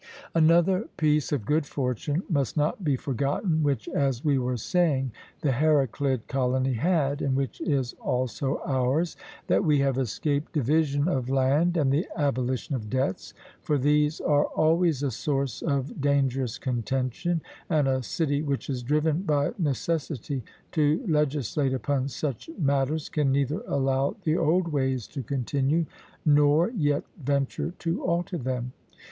Another piece of good fortune must not be forgotten, which, as we were saying, the Heraclid colony had, and which is also ours, that we have escaped division of land and the abolition of debts; for these are always a source of dangerous contention, and a city which is driven by necessity to legislate upon such matters can neither allow the old ways to continue, nor yet venture to alter them.